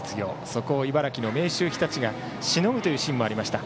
そこを茨城の明秀日立がしのぐというシーンもありました。